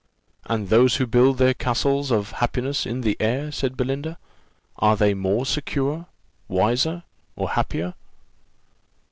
"And those who build their castles of happiness in the air," said Belinda, "are they more secure, wiser, or happier?"